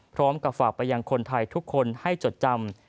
พร้อมกับฝากไปยังคนไทยทุกคนให้จดจำ